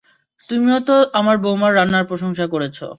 তুমিও তো আমার বৌমার রান্নার প্রশংসা করেছ।